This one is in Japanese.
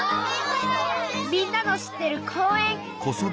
みんなの知ってる公園！